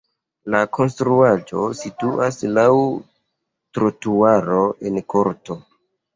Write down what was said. La konstruaĵo situas laŭ trotuaro en korto.